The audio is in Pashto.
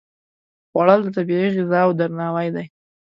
خوړل د طبیعي غذاو درناوی دی